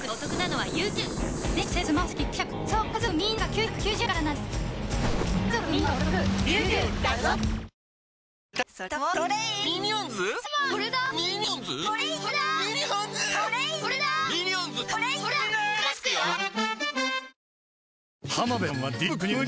はい。